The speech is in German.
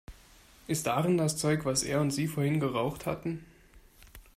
Ist darin das Zeug, was er und sie vorhin geraucht hatten?